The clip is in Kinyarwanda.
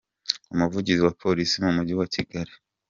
Umuvugizi wa Polisi mu Mujyi wa Kigali,